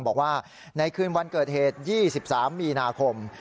บอกว่าในคืนวันเกิดเหตุ๒๓มีนาคม